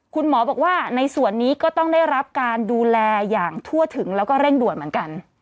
คุณหมอบอกว่าในส่วนนี้ก็ต้องได้รับการดูแลอย่างทั่วถึงแล้วก็เร่งด่วนเหมือนกัน